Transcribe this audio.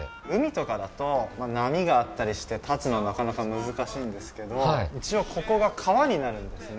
海とかだと波があったりして立つのがなかなか難しいんですけど、一応ここが川になるんですね。